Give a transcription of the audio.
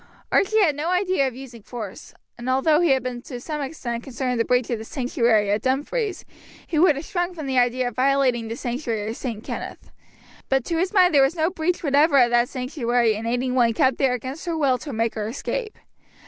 Archie had no idea of using force; and although he had been to some extent concerned in the breach of sanctuary at Dumfries, he would have shrunk from the idea of violating the sanctuary of St. Kenneth. But to his mind there was no breach whatever of that sanctuary in aiding one kept there against her will to make her escape.